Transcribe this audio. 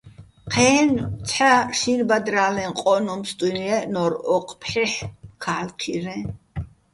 ჴე́ნო̆ ცჰ̦ა შინბადრა́ლეჼ ყო́ნუჼ ფსტუჲნო̆ ჲე́ჸნორ ოჴ ფჰ̦ეჰ̦ ქა́ლქირეჼ.